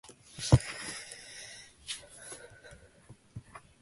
He then sailed to Australia but returned the following year.